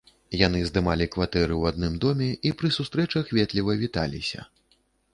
Яны здымалі кватэры ў адным доме і пры сустрэчах ветліва віталіся.